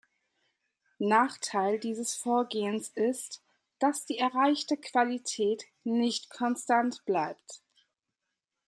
Nachteil dieses Vorgehens ist, dass die erreichte Qualität nicht konstant bleibt.